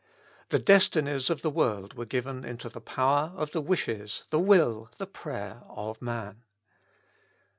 The destinies of the world were given into the power of the wishes, the will, the prayer of man.